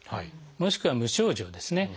もしくは無症状ですね